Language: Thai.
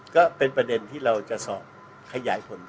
ก็เป็นประเด็นที่เราจะสอบขยายผล